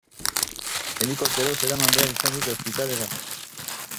Helikopteroz eraman behar izan dute ospitalera.